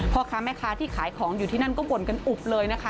พ่อค้าแม่ค้าที่ขายของอยู่ที่นั่นก็บ่นกันอุบเลยนะคะ